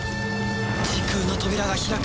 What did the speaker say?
時空の扉が開く！